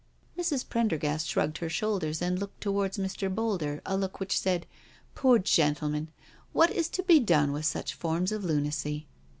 Mrs. Prendergast shrugged her shoulders and looked towards Mr. Boulder, a look which said :Poor gentle man I What is to be done with such forms of lunacy?"